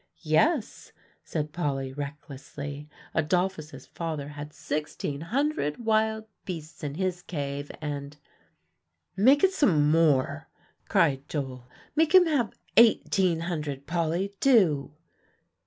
"Yes," said Polly recklessly. "Adolphus's father had sixteen hundred wild beasts in his cave, and" "Make it some more," cried Joel. "Make him have eighteen hundred, Polly, do."